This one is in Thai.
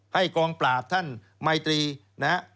กองปราบท่านมายตรีนะฮะ